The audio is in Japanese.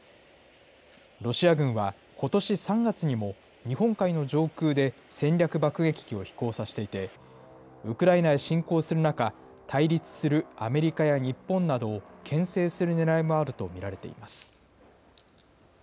ロシア軍は、ことし３月にも日本海の上空で戦略爆撃機を飛行させていて、ウクライナへ侵攻する中、対立するアメリカや日本などをけん制するねらいもあると見られています。